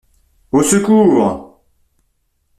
Au secours !